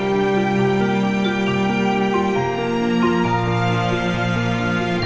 iya aman aman aja pak